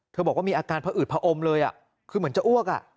บอกว่ามีอาการผอืดผอมเลยคือเหมือนจะอ้วก